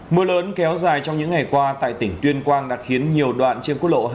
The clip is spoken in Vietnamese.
mưa lớn kéo dài trong những ngày qua tại tỉnh tuyên quang đã khiến nhiều đoạn trên quốc lộ hai